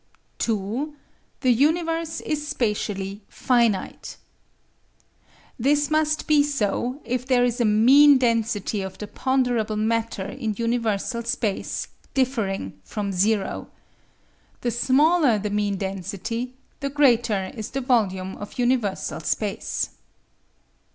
2. The universe is spatially finite. This must be so, if there is a mean density of the ponderable matter in universal space differing from zero. The smaller that mean density, the greater is the volume of universal space.